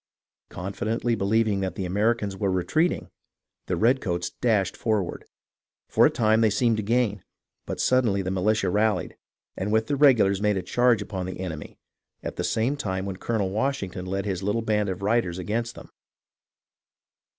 Confidently believing the Ameri cans were retreating, the redcoats dashed forward. For a time they seemed to gain, but suddenly the militia rallied and with the regulars made a charge upon the enemy, at the same time when Colonel Washington led his little band of riders against them.